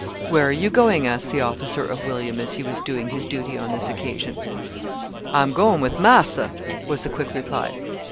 "Where are you going?" asked the officer of William, as he was doing his duty on this occasion. "I am going with marser," was the quick reply.